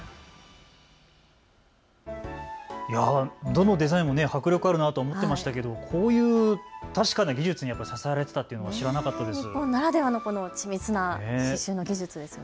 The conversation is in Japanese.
どのデザインも迫力あるなと見ていましたけれども、こういう確かな技術に支えられていたというのは知らなかったです。